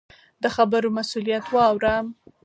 د خبرو مسؤلیت واوره.